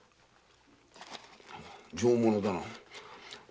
上物だな。